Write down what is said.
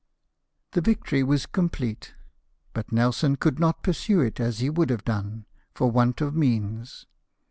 The victory was complete ; but Nelson could not pursue it as he would have done, for want of means.